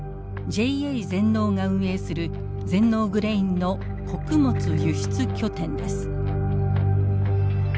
ＪＡ全農が運営する全農グレインの穀物輸出拠点です。